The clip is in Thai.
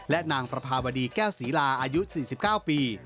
และนางประภาวดีแก้วศรีลาอายุ๔๙ปี